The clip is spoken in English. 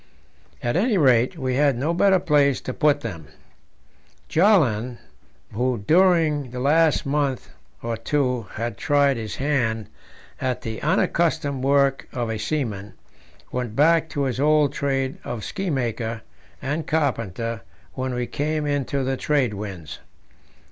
At any rate, we had no better place to put them. Bjaaland, who during the last month or two had tried his hand at the unaccustomed work of a seaman, went back to his old trade of ski maker and carpenter when we came into the trade winds.